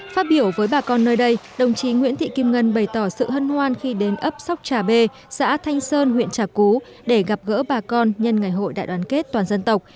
phát biểu với bà con nơi đây đồng chí nguyễn thị kim ngân bày tỏ sự hân hoan khi đến ấp sóc trà bê xã thanh sơn huyện trà cú để gặp gỡ bà con nhân ngày hội đại đoàn kết toàn dân tộc